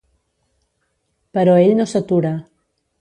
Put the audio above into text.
Però ell no s'atura.